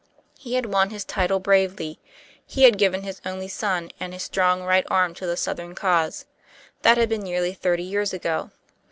He had won his title bravely. He had given his only son and his strong right arm to the Southern cause. That had been nearly thirty years ago.